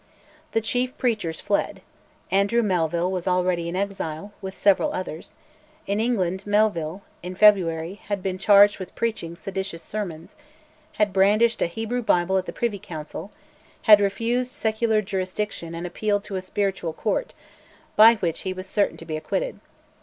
The chief preachers fled; Andrew Melville was already in exile, with several others, in England. Melville, in February, had been charged with preaching seditious sermons, had brandished a Hebrew Bible at the Privy Council, had refused secular jurisdiction and appealed to a spiritual court, by which he was certain to be acquitted.